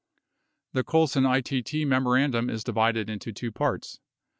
128 The Colson ITT memorandum is divided into two parts.